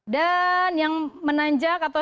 dan yang menanjak atau